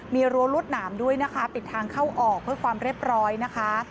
มีรั้วรวดหนามด้วยนะคะปิดทางเข้าออกเพื่อความเรียบร้อยนะคะ